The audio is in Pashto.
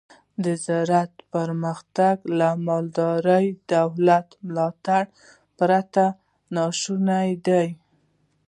د زراعت پرمختګ له دوامداره دولت ملاتړ پرته ناشونی دی.